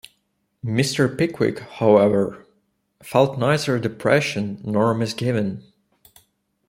Mr. Pickwick, however, felt neither depression nor misgiving.